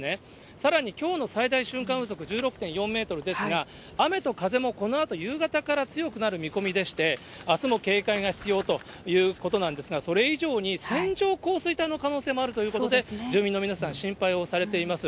さらにきょうの最大瞬間風速１６．４メートルですが、雨と風もこのあと夕方から強くなる見込みでして、あすも警戒が必要ということなんですが、それ以上に線状降水帯の可能性もあるということで、住民の皆さん、心配をされています。